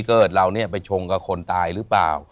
เกิดเราเนี่ยไปชงกับคนตายหรือเปล่า